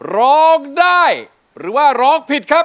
ร้องได้หรือว่าร้องผิดครับ